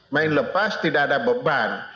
main lepas tidak ada beban